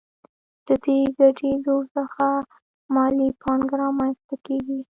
د دې ګډېدو څخه مالي پانګه رامنځته کېږي